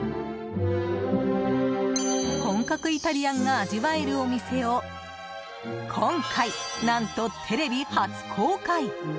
本格イタリアンが味わえるお店を今回、何とテレビ初公開。